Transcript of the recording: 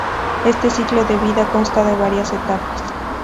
Este ciclo de vida consta de varias etapas.